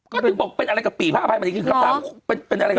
ก็ถึงบอกเป็นอะไรกับติ๋วภาพแพทยามานี่